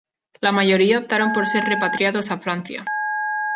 La mayoría optaron por ser repatriados a Francia.